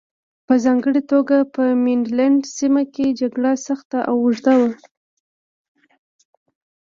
په ځانګړې توګه په مینډلنډ سیمه کې جګړه سخته او اوږده وه.